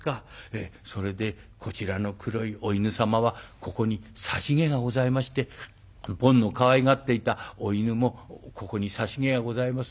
「ええそれでこちらの黒いお犬様はここに差し毛がございまして坊のかわいがっていたお犬もここに差し毛がございます。